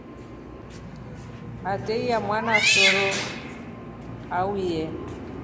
Ateiya mwanaso auye.